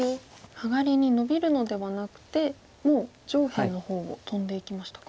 マガリにノビるのではなくてもう上辺の方をトンでいきましたか。